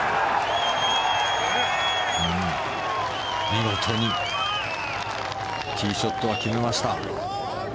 見事にティーショットを決めました。